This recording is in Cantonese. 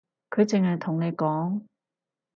佢淨係同你講